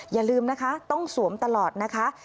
อย่าลืมนะคะต้องสวมตลอดนะคะ